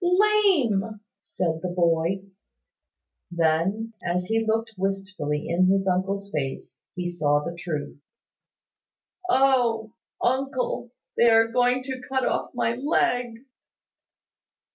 "Lame!" said the boy. Then, as he looked wistfully in his uncle's face, he saw the truth. "Oh! Uncle, they are going to cut off my leg."